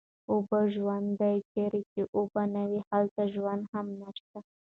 اوبه ژوند دی، چېرې چې اوبه نه وي هلته ژوند هم نشته